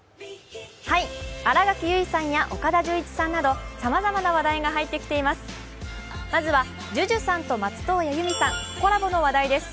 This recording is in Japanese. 新垣結衣さんや岡田准一さんなどさまざまな話題が入ってきています。